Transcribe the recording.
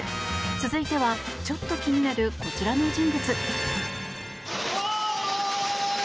続いてはちょっと気になるこちらの人物。